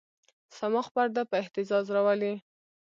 صماخ پرده په اهتزاز راولي.